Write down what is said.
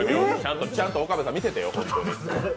ちゃんと岡部さん見ててよ。